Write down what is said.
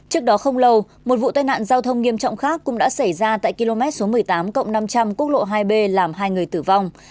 trước đó không lâu một vụ tai nạn giao thông nghiêm trọng khác cũng đã xảy ra tại km số một mươi tám cộng năm trăm linh quốc lộ hai b làm hai người tử vong